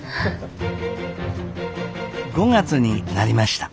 ５月になりました。